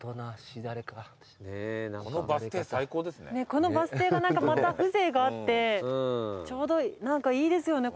このバス停が何かまた風情があってちょうど何かいいですよね